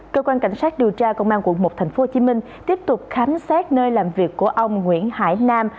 cơ quan cảnh sát điều tra công an quận một tp hcm tiếp tục khám xét nơi làm việc của ông nguyễn hải nam